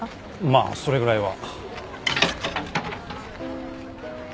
まあそれぐらいは。